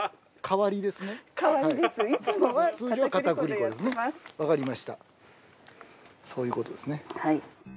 わかりましたそういうことですね。